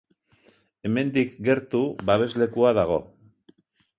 Hemendik gertu babeslekua dago.